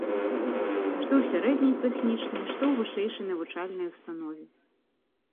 Што ў сярэдняй тэхнічнай, што ў вышэйшай навучальнай установе.